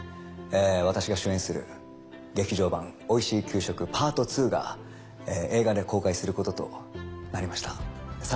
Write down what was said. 私が主演する『劇場版おいしい給食』パート２が映画で公開する事となりました。